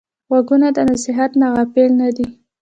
غوږونه د نصیحت نه غافل نه دي